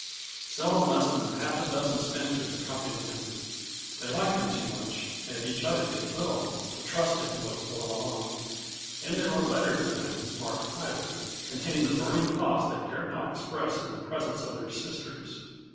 Seldom less than half a dozen spinsters accompanied him; they liked him too much and each other too little to trust him with one alone. And they wrote letters to him marked "private," containing the burning thoughts they dared not express in the presence of their sisters.